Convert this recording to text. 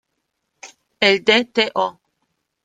El Dto.